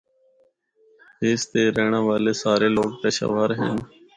اس دے رہنڑا والے سارے لوگ پشہ ور ہن۔